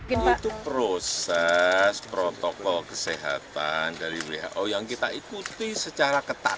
itu proses protokol kesehatan dari who yang kita ikuti secara ketat